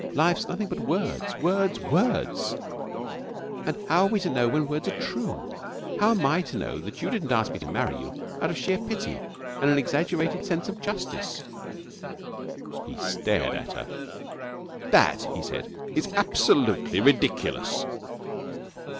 Life's nothing but words, words, words; and how are we to know when words are true? How am I to know that you didn't ask me to marry you out of sheer pity and an exaggerated sense of justice?' He stared at her. 'That,' he said, 'is absolutely ridiculous!'